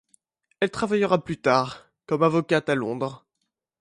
Elle travaillera plus tard comme avocate à Londres.